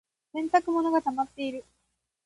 洗濯物がたまっている。